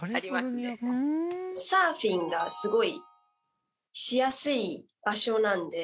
サーフィンがすごいしやすい場所なので。